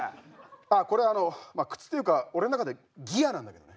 あっこれあのまあ靴というか俺の中でギアなんだけどね。